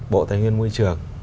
bộ tài nguyên môi trường